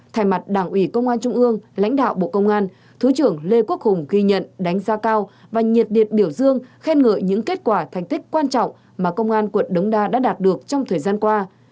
thay mặt đảng ủy công an trung ương lãnh đạo bộ công an thứ trưởng lê quốc hùng ghi nhận đánh giá cao và nhiệt liệt biểu dương khen ngợi những kết quả thành tích quan trọng mà công an quận đống đa đã đạt được trong thời gian qua